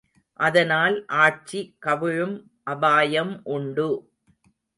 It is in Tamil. அதனால் ஆட்சி கவிழும் அபாயம் உண்டு!